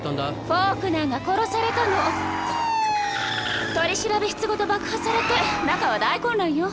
フォークナーが殺されたの。取調室ごと爆破されて中は大混乱よ。